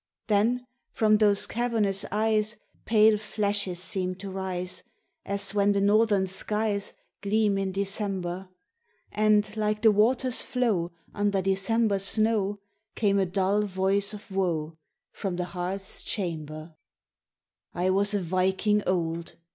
Then, from those cavernous eyes Pale flashes seemed to rise, As when the Northern skies Gleam in December; And, like the water's flow Under December's snow, Came a dull voice of woe From the heart's chamber. "I was a Viking old!